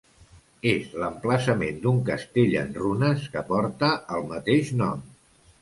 És l'emplaçament d'un castell en runes que porta el mateix nom.